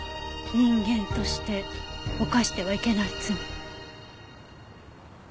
人間として犯してはいけない罪。